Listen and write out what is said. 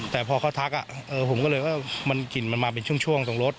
แต่พอเขาทักผมก็เลยว่ามันกลิ่นมันมาเป็นช่วงตรงรถ